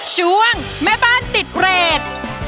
ช่วงแม่บ้านติดเรท